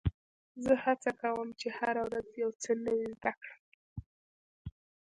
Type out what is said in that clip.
زه هڅه کوم، چي هره ورځ یو څه نوی زده کړم.